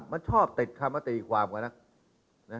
เขาติดคำแล้วตีความกันนะ